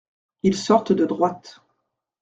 Ils sortent de droite.